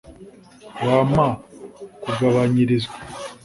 wampa kugabanyirizwa